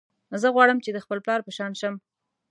زه غواړم چې د خپل پلار په شان شم